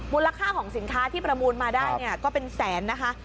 ค่าของสินค้าที่ประมูลมาได้เนี่ยก็เป็นแสนนะคะ